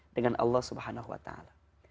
dengan allah subhanahu wa ta'ala